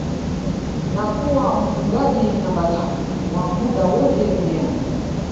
na kuwa mfungaji namba tatu wa muda wote duniani